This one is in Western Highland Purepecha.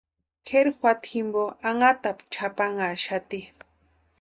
Kʼeri juata jimpo anhatapu chʼapanhaxati.